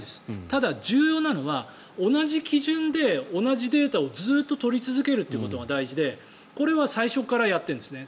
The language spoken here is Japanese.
ただ、重要なのは同じ基準で同じデータをずっと取り続けるということが大事でこれは最初からやってるんですね。